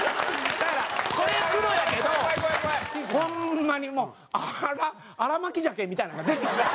だからこれ黒やけどホンマにもう新巻鮭みたいなのが出てきたの。